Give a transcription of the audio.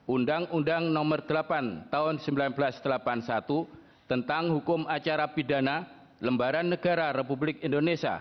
undang undang nomor delapan tahun seribu sembilan ratus delapan puluh satu tentang hukum acara pidana lembaran negara republik indonesia